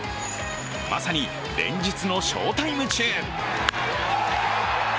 まさに、連日の翔タイム中。